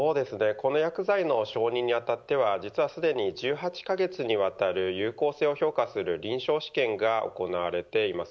この薬剤の承認にあたってはすでに１８カ月にわたる有効性を評価する臨床試験が行われています。